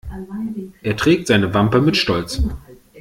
Er trägt seine Wampe mit Stolz.